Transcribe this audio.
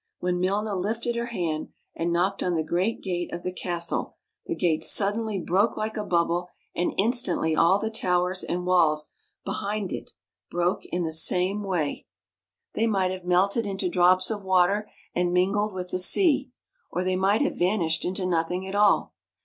When Milna lifted her hand and knocked on the great gate of the castle, the gate suddenly broke like a bubble, and instantly all the towers and walls behind it broke in the same i35 THE CASTLE UNDER THE SEA way. They might have melted into drops of water and mingled with the sea, or they might have vanished into nothing at all.